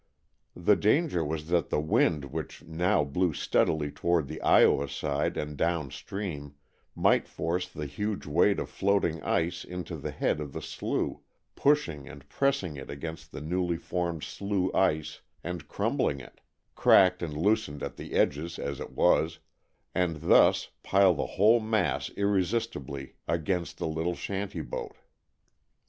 The danger was that the wind which now blew steadily toward the Iowa side and down stream, might force the huge weight of floating ice into the head of the slough, pushing and pressing it against the newly formed slough ice and crumbling it cracked and loosened at the edges as it was and thus pile the whole mass irresistibly against the little shanty boat.